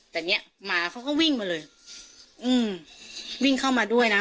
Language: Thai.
แต่เนี้ยหมาเขาก็วิ่งมาเลยอืมวิ่งเข้ามาด้วยนะ